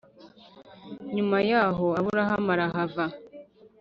Nyuma yaho aburamu arahava